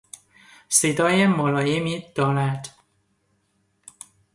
صدای ملایمی دارد.